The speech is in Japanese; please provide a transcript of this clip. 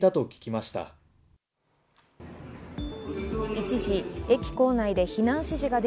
一時、駅構内で避難指示が出